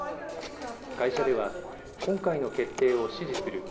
会社では今回の決定を支持する。